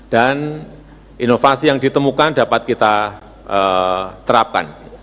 dan inovasi yang ditemukan dapat kita terapkan